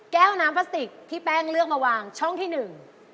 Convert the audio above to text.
แก้วน้ำพลาสติกที่แป้งเลือกมาวางช่องที่หนึ่ง